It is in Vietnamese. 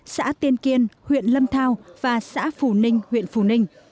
xã tiên kiên huyện lâm thao và xã phù ninh huyện phù ninh